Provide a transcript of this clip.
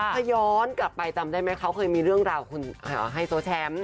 ถ้าย้อนกลับไปจำได้ไหมเขาเคยมีเรื่องราวคุณไฮโซแชมป์